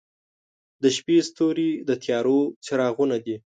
• د شپې ستوري د تیارو څراغونه دي.